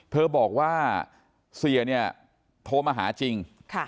เธอบอกว่าเสียโทรมาหาจริง